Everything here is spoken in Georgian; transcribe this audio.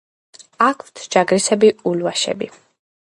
აქვთ ჯაგრისებრი ულვაშები.